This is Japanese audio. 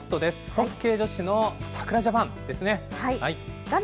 ホッケー女子のさくらジャパンで画面